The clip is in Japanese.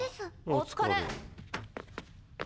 お疲れ。